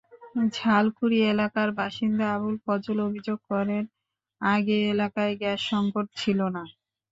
জালকুড়ি এলাকার বাসিন্দা আবুল ফজল অভিযোগ করেন, আগে এলাকায় গ্যাস-সংকট ছিল না।